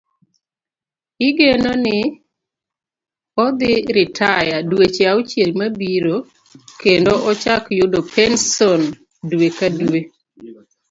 Igeno ni odhi ritaya dweche auchiel mabiro kendo ochak yudo penson dwe ka dwe.